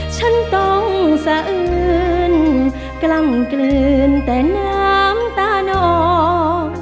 ฉันต้องสะอื้นกล้ำกลืนแต่น้ำตาน้อง